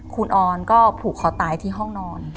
คุณออนก็ผูกคอตายที่ห้องนอน